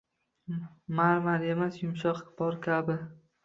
Marmar emas, yumshoq par kabi.